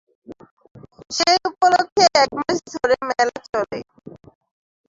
সেই উপলক্ষে এক মাস ধরে মেলা চলে।